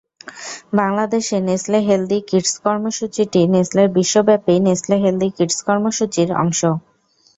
বাংলাদেশে Nestle healthy kids কর্মসূচিটি নেসলের বিশ্বব্যাপী নেসলে হেলদি কিডস কর্মসূচির অংশ।